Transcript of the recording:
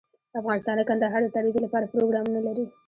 افغانستان د کندهار د ترویج لپاره پروګرامونه لري.